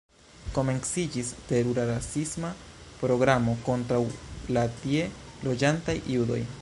Komenciĝis terura rasisma programo kontraŭ la tie loĝantaj judoj.